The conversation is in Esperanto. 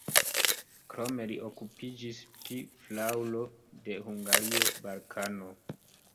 Krome li okupiĝis pri flaŭro de Hungario, Balkano.